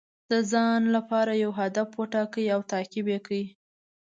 د ځان لپاره یو هدف وټاکئ او تعقیب یې کړئ.